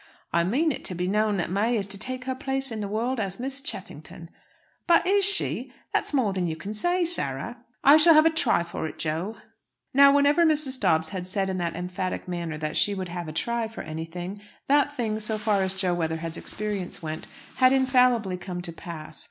"I mean it to be known that May is to take her place in the world as Miss Cheffington." "But is she? That's more than you can say, Sarah." "I shall have a try for it, Jo." Now whenever Mrs. Dobbs had said in that emphatic manner that she would "have a try" for anything, that thing, so far as Jo Weatherhead's experience went, had infallibly come to pass.